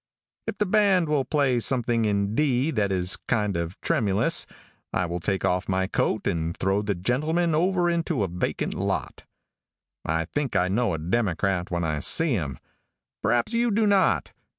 If the band will play something in D that is kind of tremulous, I will take off my coat and throw the gentleman over into a vacant lot. I think I know a Democrat when I see him. Perhaps you do not.